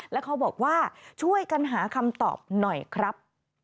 แล้วเขาบอกว่าช่วยกันหาคำตอบหน่อยครับ